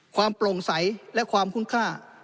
ความโปร่งใสและความคุ้มค่า